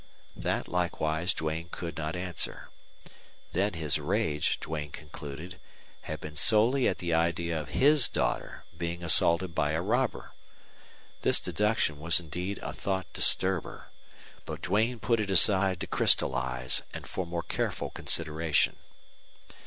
That likewise Duane could not answer. Then his rage, Duane concluded, had been solely at the idea of HIS daughter being assaulted by a robber. This deduction was indeed a thought disturber, but Duane put it aside to crystallize and for more careful consideration.